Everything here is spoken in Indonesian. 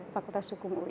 fakultas hukum ui